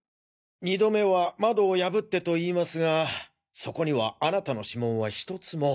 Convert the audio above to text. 二度目は窓を破ってと言いますがそこにはあなたの指紋はひとつも。